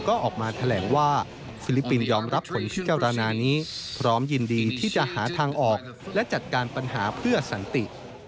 ก็ออกมาแถลงว่าฟิลิปปินส์ยอมรับผลพิจารณานี้พร้อมยินดีที่จะหาทางออกและจัดการปัญหาเพื่อสันติ